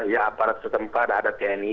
ya aparat setempat ada tni